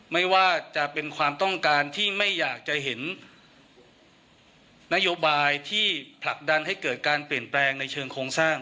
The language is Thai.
ไม่ว่าจะเป็นความต้องการที่ไม่อยากจะเห็นนโยบายที่ผลักดันให้เกิดการเปลี่ยนแปลงในเชิงโครงสร้าง